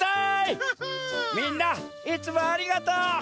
みんないつもありがとう。